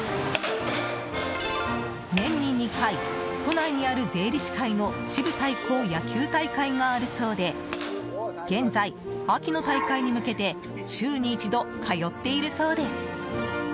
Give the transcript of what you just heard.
年に２回、都内にある税理士会の支部対抗野球大会があるそうで現在、秋の大会に向けて週に１度、通っているそうです。